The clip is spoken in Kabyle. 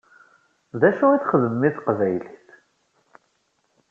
D acu i txedmem i teqbaylit?